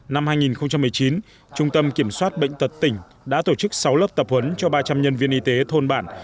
năm hai nghìn một mươi chín trung tâm kiểm soát bệnh tật tỉnh đã tổ chức sáu lớp tập huấn cho ba trăm linh nhân viên y tế thôn bản